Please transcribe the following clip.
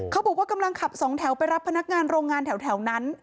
กำลังขับสองแถวไปรับพนักงานโรงงานแถวนั้น